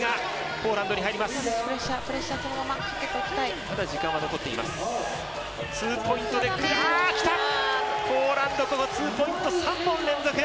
ポーランド、ツーポイント３本連続。